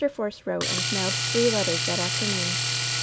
Force wrote and mailed three letters that after noon.